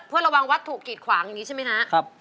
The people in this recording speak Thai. ผู้หมาหวังว่ารุ่งถูกหยึดขวังอย่างนี้ใช่ไหมครับ